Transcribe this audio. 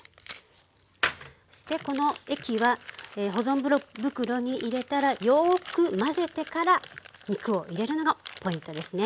そしてこの液は保存袋に入れたらよく混ぜてから肉を入れるのがポイントですね。